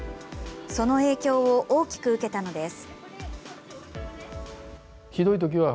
その影響を大きく受けたのです。